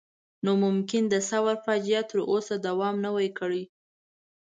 نو ممکن د ثور فاجعه تر اوسه دوام نه وای کړی.